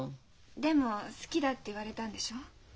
でも「好きだ」って言われたんでしょう？